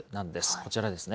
こちらですね。